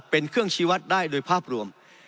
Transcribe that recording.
เป็นเครื่องชีวัตรได้โดยภาพรวม